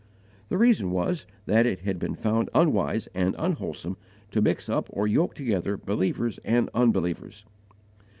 The reason was that it had been found unwise and unwholesome to mix up or yoke together believers and unbelievers.